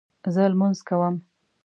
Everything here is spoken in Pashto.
زه لمونځ کوم